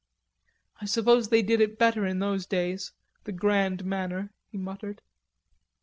"I suppose they did it better in those days, the grand manner," he muttered.